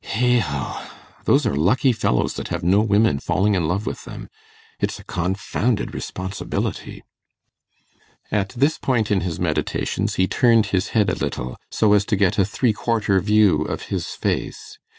Heigho! Those are lucky fellows that have no women falling in love with them. It's a confounded responsibility.' At this point in his meditations he turned his head a little, so as to get a three quarter view of his face.